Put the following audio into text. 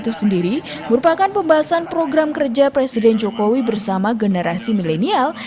itu sendiri merupakan pembahasan program kerja presiden jokowi bersama generasi milenial